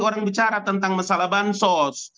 orang bicara tentang masalah bansos